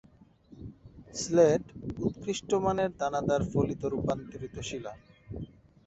Slate উৎকৃষ্ট মানের দানাদার ফলিত রূপান্তরিত শিলা।